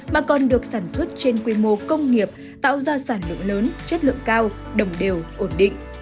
mà còn được sản xuất trên quy mô công nghiệp tạo ra sản lượng lớn chất lượng cao đồng đều ổn định